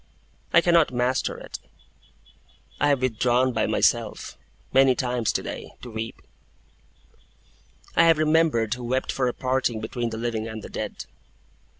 I cannot master it. I have withdrawn by myself, many times today, to weep. I have remembered Who wept for a parting between the living and the dead.